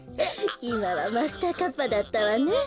いまはマスターカッパーだったわね。